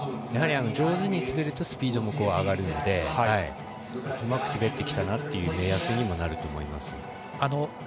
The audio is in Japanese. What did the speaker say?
やはり上手に滑るとスピードも上がるのでうまく滑ってきたなという目安にもなると思います。